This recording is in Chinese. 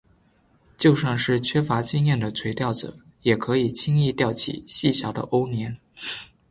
就算是缺乏经验的垂钓者也可以轻易钓起细小的欧鲢。